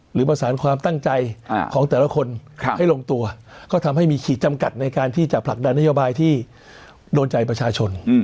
หรือประสานความตั้งใจของแต่ละคนให้ลงตัวก็ทำให้มีขีดจำกัดในการที่จะผลักดันนโยบายที่โดนใจประชาชน